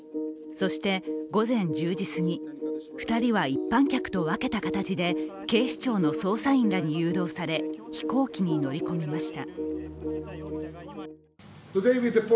そして午前１０時すぎ、２人は一般客と分けた形で警視庁の捜査員らに誘導され飛行機に乗り込みました。